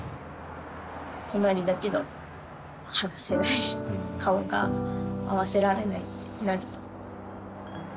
隣だけど話せない顔が合わせられないってなると。